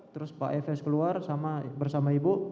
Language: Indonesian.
terus pak efes keluar bersama ibu